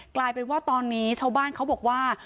กลายเป็นว่าตอนนี้ชาวบ้านเขาบอกว่า